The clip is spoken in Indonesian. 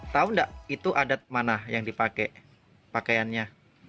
tau gak itu adat mana yang dipakai pakaiannya